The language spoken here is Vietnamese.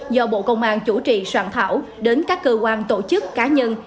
do bộ công an chủ trì soạn thảo đến các cơ quan tổ chức cá nhân